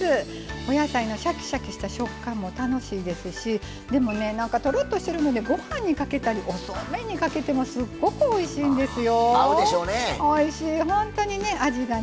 お野菜のシャキシャキした食感も楽しいですしとろっとしてるのでご飯にかけたり、おそうめんにかけてもすっごくおいしいんですよ。